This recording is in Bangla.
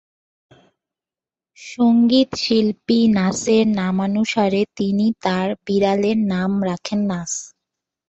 সঙ্গীতশিল্পী নাসের নামানুসারে তিনি তার বিড়ালের নাম রাখেন নাস।